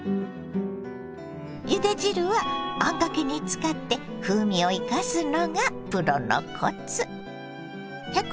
ゆで汁はあんかけに使って風味を生かすのがプロのコツ。